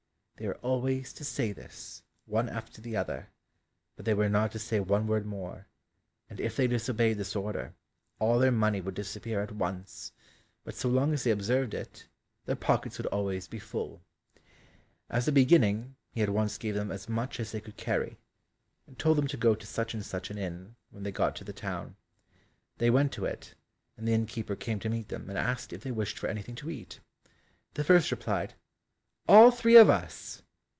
They were always to say this, one after the other, but they were not to say one word more, and if they disobeyed this order, all their money would disappear at once, but so long as they observed it, their pockets would always be full. As a beginning, he at once gave them as much as they could carry, and told them to go to such and such an inn when they got to the town. They went to it, and the innkeeper came to meet them, and asked if they wished for anything to eat? The first replied, "All three of us."